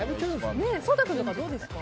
颯太君とかどうですか？